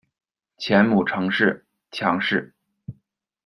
前母程氏；强氏。